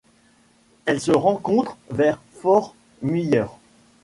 Elle se rencontre vers Fort Myers.